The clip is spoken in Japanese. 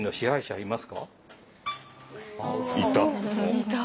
いた。